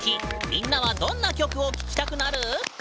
みんなはどんな曲を聴きたくなる？